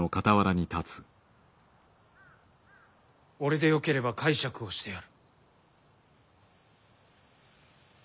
俺でよければ介錯をしてやる。